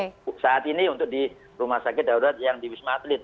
nah saat ini untuk di rumah sakit darurat yang di wisma atlet